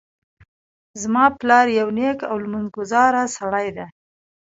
زما پلار یو نیک او لمونځ ګذاره سړی ده